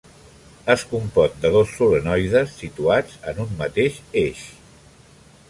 Es compon de dos solenoides situats en un mateix eix.